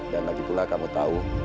lagi pula kamu tahu